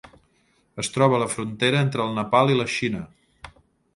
Es troba a la frontera entre el Nepal i la Xina.